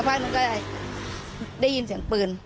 ปักนึงก็ยินเสียงปืน